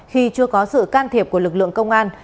khi chưa có sự can thiệp của lực lượng công an